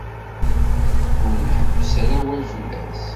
Ur nḥebbes ara awal fell-as.